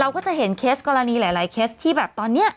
ก็จะเห็นเคสกรณีหลายเคสที่แบบตอนนี้